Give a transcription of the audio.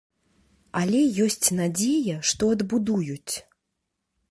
Але ёсць надзея, што адбудуюць.